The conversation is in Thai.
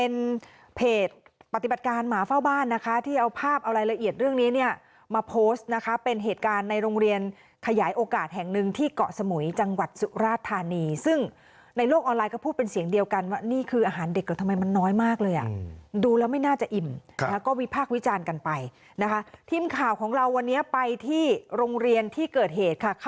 เป็นเพจปฏิบัติการหมาเฝ้าบ้านนะคะที่เอาภาพเอารายละเอียดเรื่องนี้เนี่ยมาโพสต์นะคะเป็นเหตุการณ์ในโรงเรียนขยายโอกาสแห่งหนึ่งที่เกาะสมุยจังหวัดสุราธานีซึ่งในโลกออนไลน์ก็พูดเป็นเสียงเดียวกันว่านี่คืออาหารเด็กทำไมมันน้อยมากเลยอ่ะดูแล้วไม่น่าจะอิ่มแล้วก็วิพากษ์วิจารณ์กันไปนะคะทีมข่าวของเราวันนี้ไปที่โรงเรียนที่เกิดเหตุค่ะ